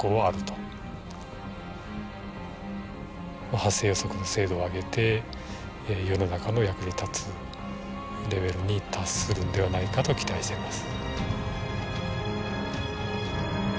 発生予測の精度を上げて世の中の役に立つレベルに達するんではないかと期待しています。